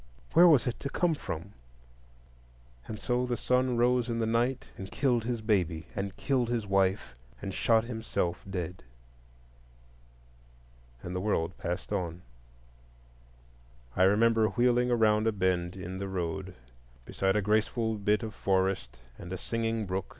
Where was it to come from? And so the son rose in the night and killed his baby, and killed his wife, and shot himself dead. And the world passed on. I remember wheeling around a bend in the road beside a graceful bit of forest and a singing brook.